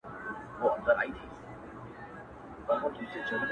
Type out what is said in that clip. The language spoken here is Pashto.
يو چا خوړلی يم خو سونډو کي يې جام نه کړم!!